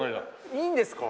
いいんですか？